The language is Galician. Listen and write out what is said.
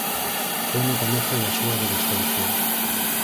Foi no comezo da súa adolescencia